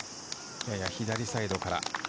やや左サイドから。